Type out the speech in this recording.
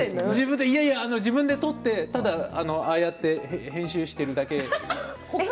笑い声自分で撮って、ただああやって編集してるだけ。